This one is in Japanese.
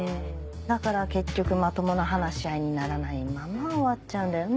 だから結局まともな話し合いにならないまま終わっちゃうんだよね。